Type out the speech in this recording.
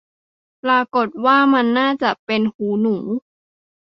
ปรากฏว่า มันน่าจะเป็นหูหนู